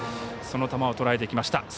その球をとらえていきました。